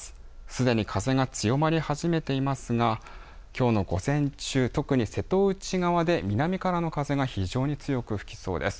すでに風が強まり始めていますがきょうの午前中、特に瀬戸内側で南からの風が非常に強く吹きそうです。